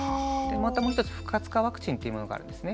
またもう一つ不活化ワクチンというものがあるんですね。